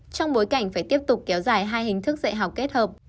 trong bối cảnh phải tiếp tục kéo dài hai hình thức dạy học kết hợp